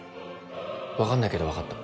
分かんないけど分かった。